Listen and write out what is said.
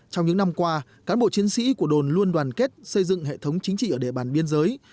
trong những năm qua cán bộ chiến sĩ của đồn luôn đoàn kết xây dựng hệ thống chính trị ở địa bàn biên giới